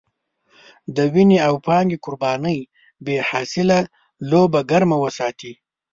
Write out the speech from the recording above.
د وينې او پانګې قربانۍ بې حاصله لوبه ګرمه وساتي.